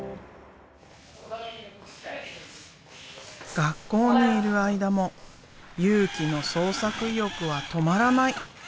学校にいる間も佑貴の創作意欲は止まらない！